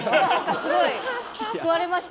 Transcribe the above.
すごい救われました。